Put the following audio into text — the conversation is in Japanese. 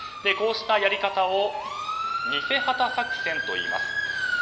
こうしたやり方を偽旗作戦といいます。